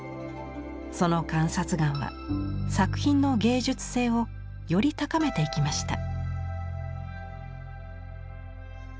その観察眼は作品の芸術性をより高めていきました。